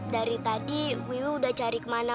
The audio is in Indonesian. dari tadi wiyu udah cari kemana